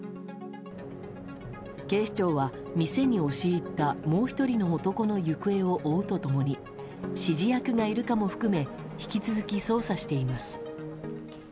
警視庁は店に押し入ったもう１人の男の行方を追うと共に指示役がいるかも含め引き続き捜査しています。